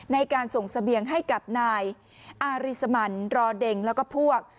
ในการส่งเสบียงให้กับนายอาริสมันรอเด็งแล้วก็พวก